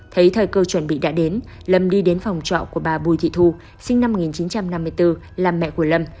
thấy thời cơ chuẩn bị đã đến lâm đi đến phòng trọ của bà bùi thị thu sinh năm một nghìn chín trăm năm mươi bốn là mẹ của lâm